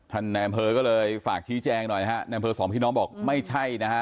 ในอำเภอก็เลยฝากชี้แจงหน่อยนะฮะในอำเภอสองพี่น้องบอกไม่ใช่นะฮะ